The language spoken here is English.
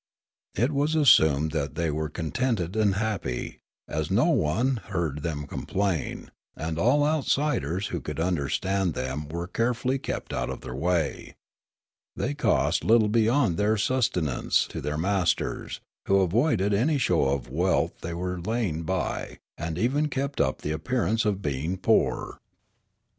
It was assumed that they were contented and happy, as no one heard them complain, and all outsiders who could understand them were carefully kept out of their way. They cost little beyond their sustenance to their masters, who avoided any show of the wealth they were laying by, and even kept up the appearance of being poor.